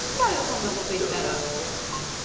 そんなこと言ったら。